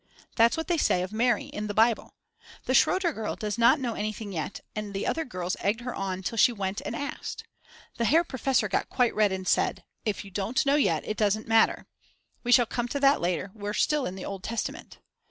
That's what they say of Mary in the Bible. The Schrotter girl does not know anything yet and the other girls egged her on till she went and asked. The Herr Professor got quite red and said: If you don't know yet it does not matter. We shall come to that later, we're still in the Old Testament.